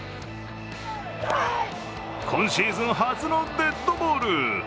今シーズン初のデッドボール。